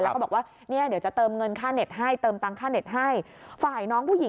แล้วก็บอกว่าเดี๋ยวคริสต์จะเติมเงินค่าเน็ตให้